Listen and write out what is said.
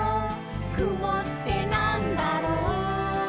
「くもってなんだろう？」